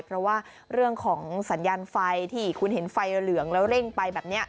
เพราะว่าเรื่องของสัญญาณไฟที่คุณเห็นไฟเหลืองแล้วเร่งไปแบบนี้